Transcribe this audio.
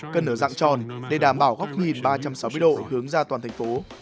cần ở dạng tròn để đảm bảo góc nhìn ba trăm sáu mươi độ hướng ra toàn thành phố